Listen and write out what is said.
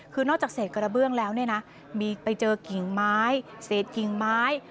คือนอกจากเศษกระเบื้องแล้วเนี่ยนะมีไปเจอกิ่งไม้เศษกิ่งไม้